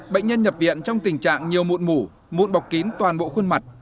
bệnh nhân nhập viện trong tình trạng nhiều mụn mủ mụn bọc kín toàn bộ khuôn mặt